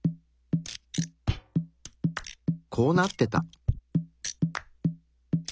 こうなってた。